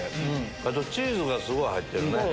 あとチーズがすごい入ってるね。